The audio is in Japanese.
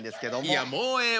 いやもうええわ。